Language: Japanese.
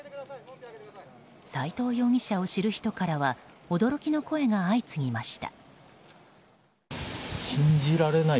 斎藤容疑者を知る人からは驚きの声が相次ぎました。